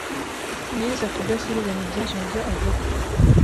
Nize kudashyira ibintu byinshi mubyo avuga.